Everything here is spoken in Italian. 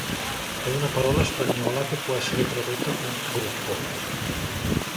È una parola spagnola che può essere tradotta con "gruppo".